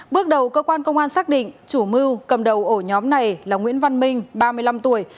bước đầu cơ quan công an xác định chủ mưu cầm đầu ổ nhóm này là nguyễn văn minh ba mươi năm tuổi